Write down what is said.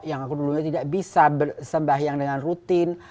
yang aku dulunya tidak bisa sembahyang dengan rutin